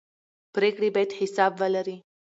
پرېکړې باید حساب ولري